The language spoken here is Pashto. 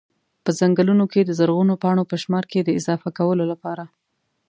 په ځنګلونو کي د زرغونو پاڼو په شمار کي د اضافه کولو لپاره